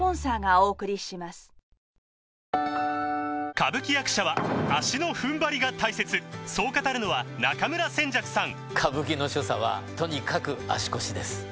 歌舞伎役者は足の踏ん張りが大切そう語るのは中村扇雀さん